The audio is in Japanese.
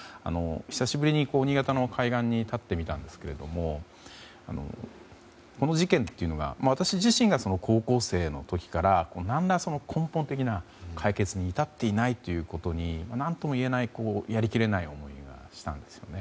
久しぶりに新潟の海岸に立ってみたんですがこの事件というのが私自身が高校生の時から何ら、根本的な解決に至っていないということに何とも言えないやりきれない思いがしたんですよね。